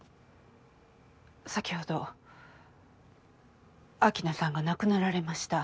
先ほど秋菜さんが亡くなられました。